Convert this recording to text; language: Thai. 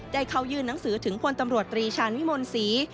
ได้เข้ายื่นหนังสือถึงพลตำรวจตรีชาญวิมลศรี